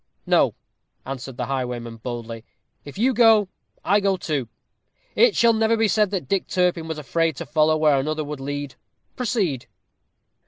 "No," answered the highwayman, boldly; "if you go, I go too. It shall never be said that Dick Turpin was afraid to follow where another would lead. Proceed."